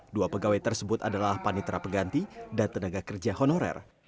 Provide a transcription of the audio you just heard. dua pegawai tersebut adalah panitera peganti dan tenaga kerja honorer